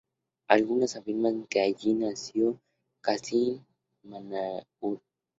Algunos afirman que allí nació el Cacique Manaure.